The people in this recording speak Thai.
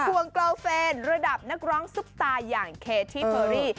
วงกลอเฟนระดับนักร้องซุปตาอย่างเคที่เฟอรี่